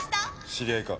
知り合いか？